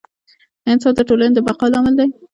انصاف د ټولنې د بقا لامل دی.